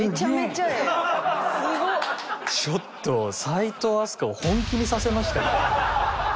ちょっと齋藤飛鳥を本気にさせましたよ